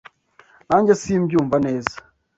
Nanjye simbyumva neza.